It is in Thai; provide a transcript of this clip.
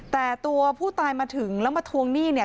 แต่ตัวผู้ตายมาถึงแล้วมาทวงหนี้เนี่ย